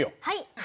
はい。